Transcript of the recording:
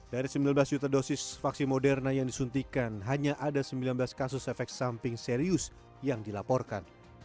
dari sembilan belas juta dosis vaksin moderna yang disuntikan hanya ada sembilan belas kasus efek samping serius yang dilaporkan